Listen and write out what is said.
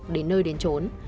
đến nơi đến trốn